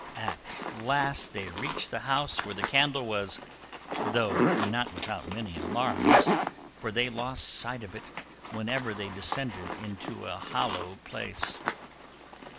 At last they reached the house where the candle was, though not without many alarms, for they lost sight of it whenever they descended unto a hollow place.